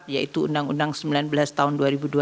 yaitu undang undang sembilan belas tahun dua ribu dua belas